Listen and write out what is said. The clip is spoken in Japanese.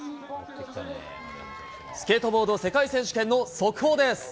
スケートボード世界選手権の速報です。